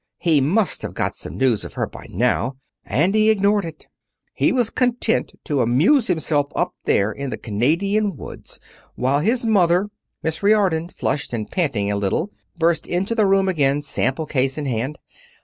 He must have got some news of her by now. And he ignored it. He was content to amuse himself up there in the Canadian woods, while his mother Miss Riordon, flushed, and panting a little, burst into the room again, sample case in hand.